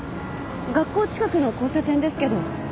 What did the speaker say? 学校近くの交差点ですけど。